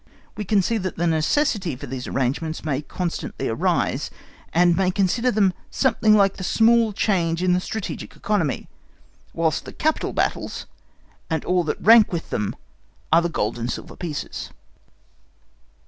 We can see that the necessity for these arrangements may constantly arise, and may consider them something like the small change in the strategic economy, whilst the capital battles, and all that rank with them are the gold and silver pieces.